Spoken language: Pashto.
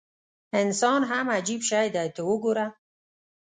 انسان هم عجیب شی دی ته وګوره.